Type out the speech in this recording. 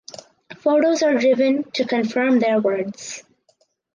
Photos are driven to confirm their words.